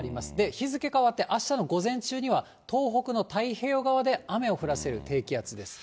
日付変わってあしたの午前中には、東北の太平洋側で雨を降らせる低気圧です。